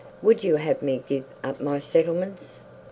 Would you have me give up my settlements?"